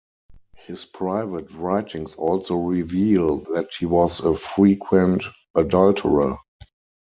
His private writings also reveal that he was a frequent adulterer.